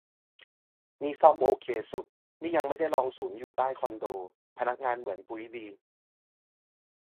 นี่ซ่อมโอเคสุด นี่ยังไม่ได้ลอง ศูนย์อยู่ใต้คอนโด พนักงานเหมือนกุ๊ยดี